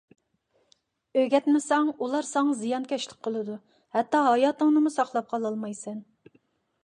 ئۆگەتمىسەڭ، ئۇلار ساڭا زىيانكەشلىك قىلىدۇ. ھەتتا ھاياتىڭنىمۇ ساقلاپ قالالمايسەن.